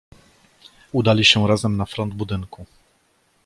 "Udali się razem na front budynku."